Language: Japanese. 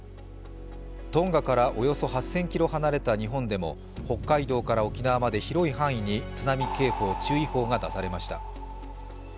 トンガからおよそ８０００ｋｍ離れた日本でも北海道から沖縄まで広い範囲に津波警報・注意報が出されました。